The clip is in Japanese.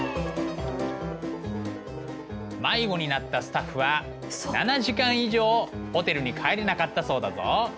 迷子になったスタッフは７時間以上ホテルに帰れなかったそうだぞ。